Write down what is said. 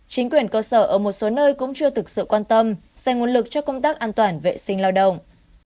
chính quyền cơ sở ở một số nơi cũng chưa thực sự quan tâm dành nguồn lực cho công tác an toàn vệ sinh lao động